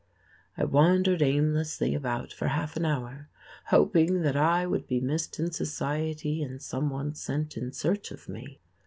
I wandered aimlessly about for half an hour, hoping that I would be missed in society and some one sent in search of me.